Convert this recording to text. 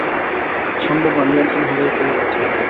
সম্ভব না, নিয়ন্ত্রণ হারিয়ে ফেলব এতে!